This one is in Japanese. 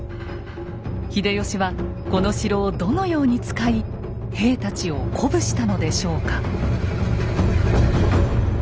秀吉はこの城をどのように使い兵たちを鼓舞したのでしょうか？